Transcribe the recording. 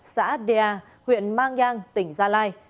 xã đè huyện mang giang tỉnh gia lai